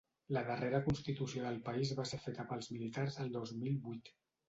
La darrera constitució del país va ser feta pels militars el dos mil vuit.